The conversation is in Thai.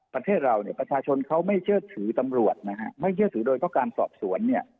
ประเทศเราเนี่ยประชาชนเขาไม่เชื่อถือตำรวจนะฮะไม่เชื่อถือโดยเพราะการสอบสวนเนี่ย